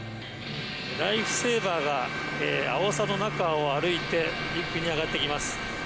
ライフセーバーがアオサの中を歩いて陸に上がっていきます。